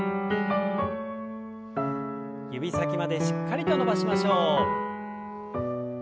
指先までしっかりと伸ばしましょう。